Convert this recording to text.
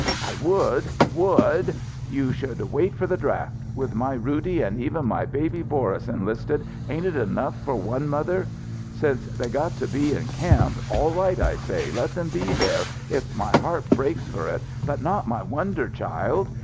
"I would! Would! You should wait for the draft. With my Roody and even my baby Boris enlisted, ain't it enough for one mother? Since they got to be in camp, all right I say, let them be there, if my heart breaks for it, but not my wonder child!